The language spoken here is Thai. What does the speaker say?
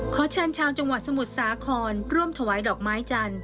ขอเชิญชาวจังหวัดสมุทรสาครร่วมถวายดอกไม้จันทร์